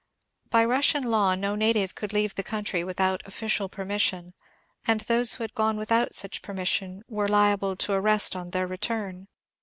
By Russian law no native could leave the country with* out of&cial permission, and those who had gone without such permission were liable to arrest on their return.